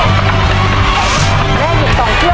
ภายในเวลา๓นาที